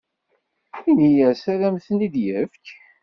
Ini-as ad am-ten-id-yefk.